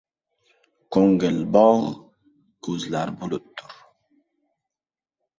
• Ko‘ngil bog‘, ko‘zlar bulutdir.